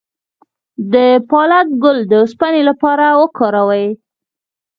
د پالک ګل د اوسپنې لپاره وکاروئ